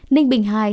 ninh bình hai